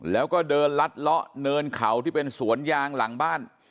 แล้วก็เดินลัดเลาะเนินเขาที่เป็นสวนยางหลังบ้าน